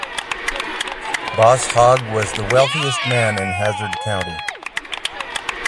"Boss" Hogg was the wealthiest man in Hazzard County.